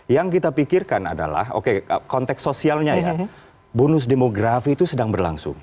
yang kita pikirkan adalah oke konteks sosialnya ya bonus demografi itu sedang berlangsung